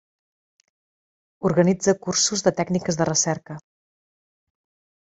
Organitza cursos de tècniques de recerca.